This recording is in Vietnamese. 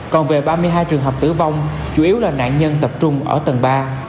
còn về ba mươi hai trường hợp tử vong chủ yếu là nạn nhân tập trung ở tầng ba